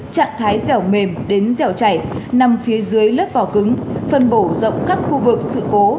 trạng thái dẻo mềm đến dẻo chảy nằm phía dưới lớp vỏ cứng phân bổ rộng khắp khu vực sự cố